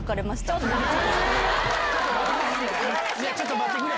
ちょっと待ってくれ。